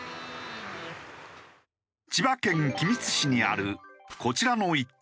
千葉県君津市にあるこちらの一軒家。